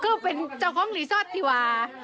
คือเป็นเจ้าของรีสอร์ตสิวะ